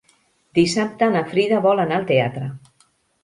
Dissabte na Frida vol anar al teatre.